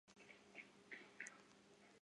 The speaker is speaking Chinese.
堂兄于小渝同为羽毛球运动员。